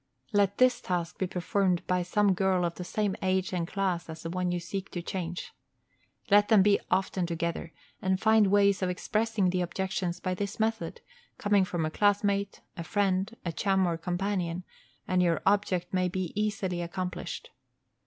Let this task be performed by some girl of same age and class as the one you seek to change. Let them be often together, and find ways of expressing the objections by this method coming from a classmate, a friend, a chum or companion and your object may be easily accomplished.